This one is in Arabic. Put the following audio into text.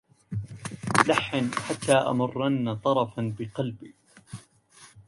لحن حتى أمرن طرفا بقلبي